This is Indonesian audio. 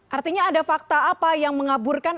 artinya ada fakta apa yang mengaburkan